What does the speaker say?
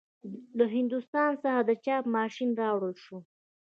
له هندوستان څخه د چاپ ماشین راوړل شو.